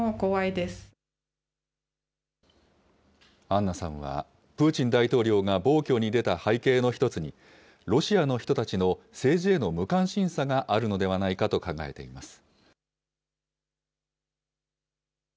アンナさんはプーチン大統領が暴挙に出た背景の一つに、ロシアの人たちの政治への無関心さがあるのではないかと考えています。